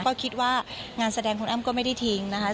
ก็คิดว่างานแสดงคุณอ้ำก็ไม่ได้ทิ้งนะคะ